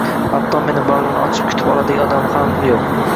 Hatto meni bagʻrini ochib kutib oladigan odamlar ham yoʻq